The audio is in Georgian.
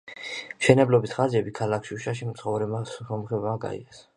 მშენებლობის ხარჯები ქალაქ შუშაში მცხოვრებმა სომხებმა გაიღეს.